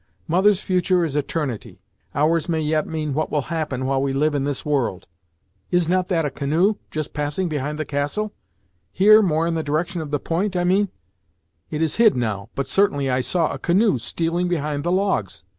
Mother's future is eternity; ours may yet mean what will happen while we live in this world Is not that a canoe just passing behind the castle here, more in the direction of the point, I mean; it is hid, now; but certainly I saw a canoe stealing behind the logs!"